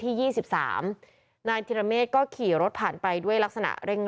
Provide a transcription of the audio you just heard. ยี่สิบสามนายธิรเมฆก็ขี่รถผ่านไปด้วยลักษณะเร่ง